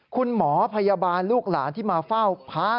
คุณหมอพยาบาลลูกหลานที่มาเฝ้าพระ